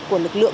của lực lượng